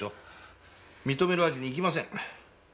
認めるわけにいきません。